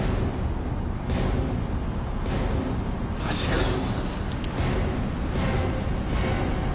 マジかよ。